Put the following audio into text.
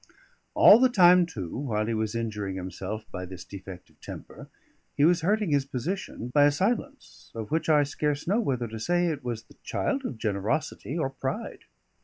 All the time, too, while he was injuring himself by this defect of temper, he was hurting his position by a silence, of which I scarce know whether to say it was the child of generosity or pride.